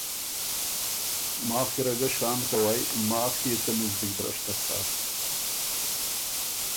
ماخ کی ره ګۀ شام کوئ ماخ يې څۀ مِزدِک برشتک هۀ؟